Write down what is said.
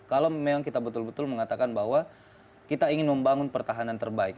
kalau memang kita betul betul mengatakan bahwa kita ingin membangun pertahanan terbaik